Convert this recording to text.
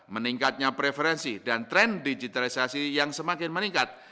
meningkatnya preferensi dan tren digitalisasi yang semakin meningkat